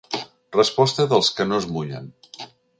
Resposta dels que no es mullen.